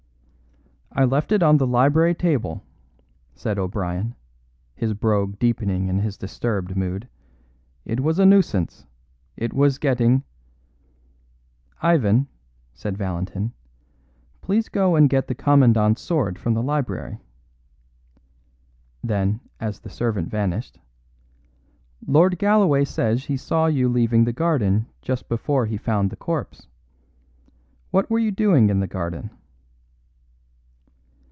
"I left it on the library table," said O'Brien, his brogue deepening in his disturbed mood. "It was a nuisance, it was getting " "Ivan," said Valentin, "please go and get the Commandant's sword from the library." Then, as the servant vanished, "Lord Galloway says he saw you leaving the garden just before he found the corpse. What were you doing in the garden?"